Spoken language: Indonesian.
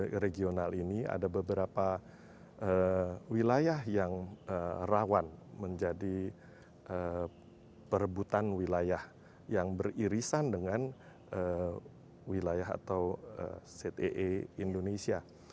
regional ini ada beberapa wilayah yang rawan menjadi perebutan wilayah yang beririsan dengan wilayah atau zee indonesia